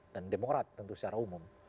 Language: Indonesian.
dan demokrasi tentu secara umum